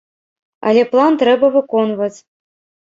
Але план трэба выконваць.